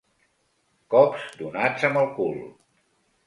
Cops donats amb el cul.